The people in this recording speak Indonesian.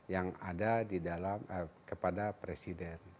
yang ada di dalam kepada presiden